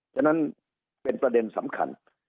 ฉะนั้นเป็นประเด็นสำคัญ